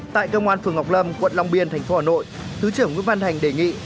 tại công an phường ngọc lâm quận long biên thành phố hà nội thứ trưởng nguyễn văn hành đề nghị